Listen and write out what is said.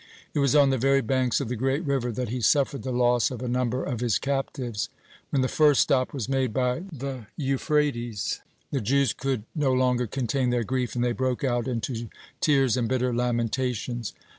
It was on the very banks of the great river that he suffered the loss of a number of his captives. When the first stop was made by the Euphrates, the Jews could no longer contain their grief, and they broke out into tears and bitter lamentations.